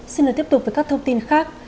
xin lời tiếp tục với các thông tin khác